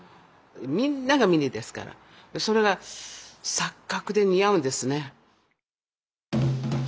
みんながミニですからそれが錯覚で似合うんですね。